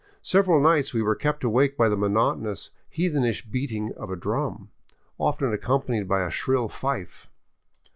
Several nights we were kept awake by the monotonous, heathenish beating of a drum, often accompanied by a shrill fife.